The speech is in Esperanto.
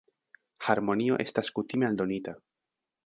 Harmonio estas kutime aldonita.